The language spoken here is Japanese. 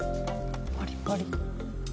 パリパリ。